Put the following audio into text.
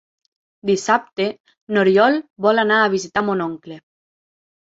Dissabte n'Oriol vol anar a visitar mon oncle.